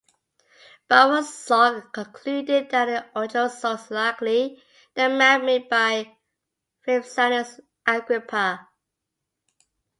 Bowersock concluded that the original source is likely the map made by Vipsanius Agrippa.